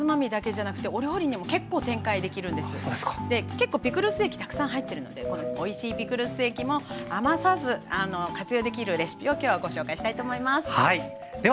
結構ピクルス液たくさん入ってるのでこのおいしいピクルス液も余さず活用できるレシピを今日はご紹介したいと思います。